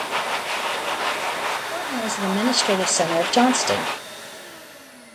Thornton is the administrative center of Johnston.